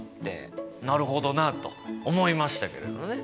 なるほどなと思いましたけれどね。